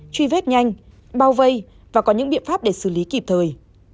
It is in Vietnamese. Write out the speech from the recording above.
truy vết nhanh bao vây và có những biện pháp để xử lý kịp thời